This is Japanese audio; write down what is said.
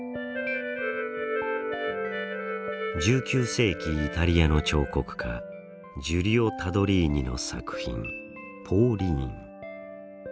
１９世紀イタリアの彫刻家ジュリオ・タドリーニの作品「ポーリーン」。